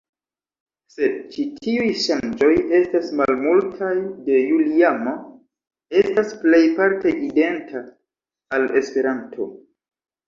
Sed ĉi tiuj ŝanĝoj estas malmultaj, do Juliamo estas plejparte identa al Esperanto.